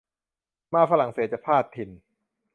มาฝรั่งเศสจะพลาดถิ่น